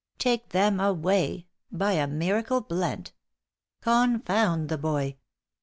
Take them away! 'By a miracle blent!' Confound the boy!